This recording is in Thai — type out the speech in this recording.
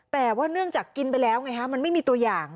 แต่ว่าเนื่องจากกินไปแล้วไงฮะมันไม่มีตัวอย่าง